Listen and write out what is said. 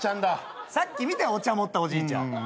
さっき見たよお茶持ったおじいちゃん。